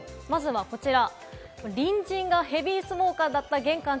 まずはこちら。